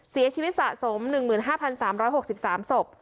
เสียชีวิตสะสม๑๕๓๖๓ศพ